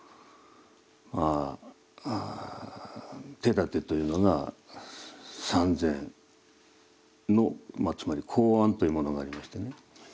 まあ手だてというのが参禅のまあつまり公案というものがありましてね。